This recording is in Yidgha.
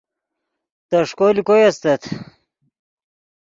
تݰکو لے کوئے استت